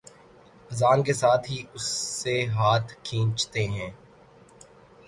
اذان کے ساتھ ہی اس سے ہاتھ کھینچتے ہیں